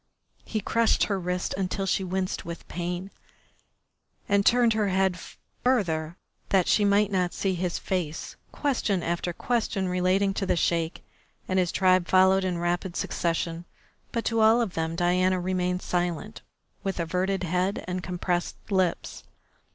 He crushed her wrist until she winced with pain, and turned her head away further that she might not see his face. Question after question relating to the Sheik and his tribe followed in rapid succession, but to all of them Diana remained silent, with averted head and compressed lips.